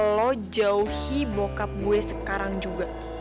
lo jauhi bokap gue sekarang juga